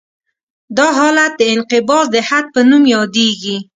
دا حالت د انقباض د حد په نوم یادیږي